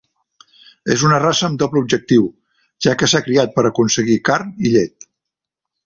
És una raça amb doble objectiu, ja que s'ha criat per aconseguir carn i llet.